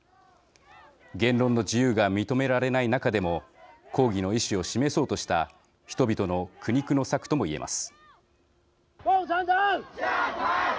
言論の自由が認められない中でも抗議の意思を示そうとした人々の苦肉の策とも言えます。